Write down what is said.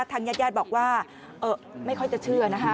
ทางญาติญาติบอกว่าไม่ค่อยจะเชื่อนะคะ